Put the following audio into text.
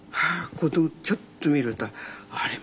子供ちょっと見るとあれ？